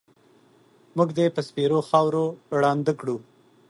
مونږ دې په سپېرو خاورو ړانده کړو